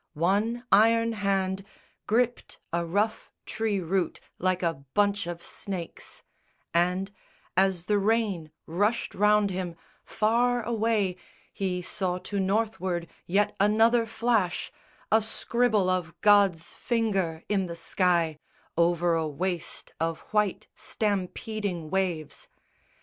One iron hand Gripped a rough tree root like a bunch of snakes; And, as the rain rushed round him, far away He saw to northward yet another flash, A scribble of God's finger in the sky Over a waste of white stampeding waves.